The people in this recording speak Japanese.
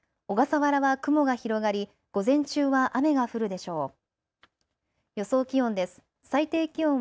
小笠原は雲が広がり午前中は雨が降るでしょう。